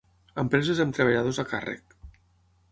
Empreses amb treballadors a càrrec.